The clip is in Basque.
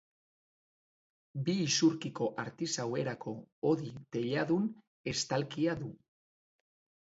Bi isurkiko artisau erako hodi-teiladun estalkia du.